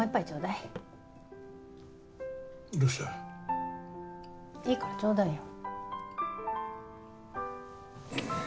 いいからちょうだいよ。